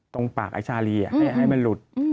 ตรงปากไอ้ชาลีให้มันหลุด